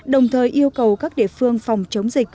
đồng thời yêu cầu các địa phương phòng chống dịch